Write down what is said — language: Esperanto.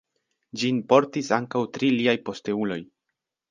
Ĝin portis ankaŭ tri liaj posteuloj.